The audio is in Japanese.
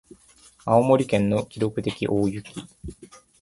青森県の記録的大雪